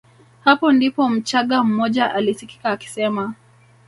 Hapo ndipo mchagga mmoja alisikika akisema